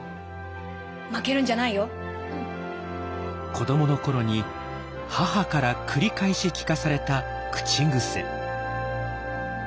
子どもの頃に母から繰り返し聞かされた口癖。